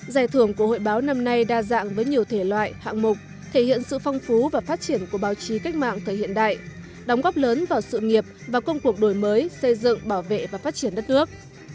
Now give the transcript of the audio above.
giải thưởng của hội báo năm nay đa dạng với nhiều thể loại hạng mục thể hiện sự phong phú và phát triển của báo chí cách mạng thời hiện đại đóng góp lớn vào sự nghiệp và công cuộc đổi mới xây dựng bảo vệ và phát triển đất nước